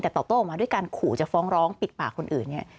แต่ตอบโต้ออกมาด้วยการขู่จะฟ้องร้องปิดปากคนอื่นเนี่ย